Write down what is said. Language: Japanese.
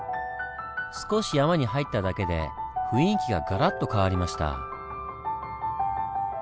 少し山に入っただけで雰囲気がガラッと変わりました。